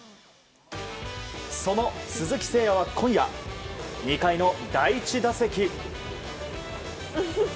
その鈴木誠也は今夜２回の第１打席。